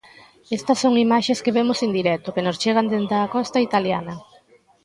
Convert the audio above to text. Estas son imaxes que vemos en directo, que nos chegan dende a costa italiana.